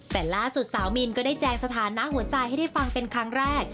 แต่ล่าสุดสาวมินก็ได้แจงสถานะหัวใจให้ได้ฟังเป็นครั้งแรก